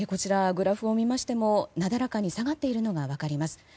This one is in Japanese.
グラフを見ましても、なだらかに下がっているのが分かります。